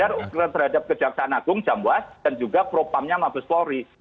jadi mkd ini belajar terhadap kejaksaan agung jamwas dan juga propamnya mabes kori